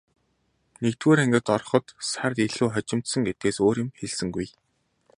Нэгдүгээр ангид ороход сар илүү хожимдсон гэдгээс өөр юм хэлсэнгүй.